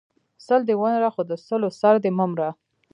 ـ سل دی ونره خو د سلو سر دی مه مره.